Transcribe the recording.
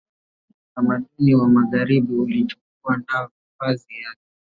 utamaduni wa magharibi ulichukua nafasi yake